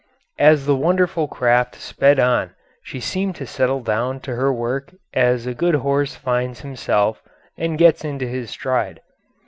As the wonderful craft sped on she seemed to settle down to her work as a good horse finds himself and gets into his stride.